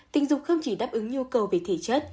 tình dục không chỉ đáp ứng nhu cầu về thể chất